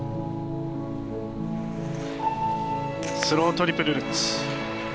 スロートリプルルッツ。